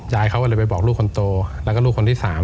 ยายเขาก็เลยไปบอกลูกคนโตแล้วก็ลูกคนที่๓